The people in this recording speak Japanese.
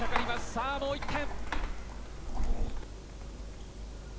さあ、もう１点。